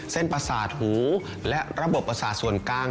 ประสาทหูและระบบประสาทส่วนกลาง